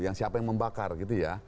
yang siapa yang membakar gitu ya